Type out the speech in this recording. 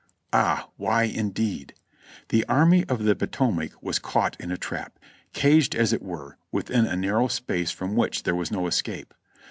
Ah, why indeed ! The Army of the Potomac was caught in a trap, caged as it were, within a narrow space from which there was no escape.